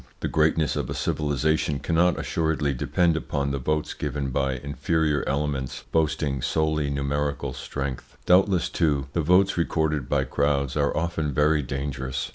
The greatness of a civilisation cannot assuredly depend upon the votes given by inferior elements boasting solely numerical strength. Doubtless, too, the votes recorded by crowds are often very dangerous.